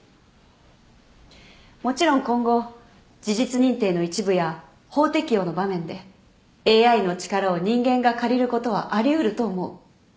もちろん今後事実認定の一部や法適用の場面でＡＩの力を人間が借りることはあり得ると思う。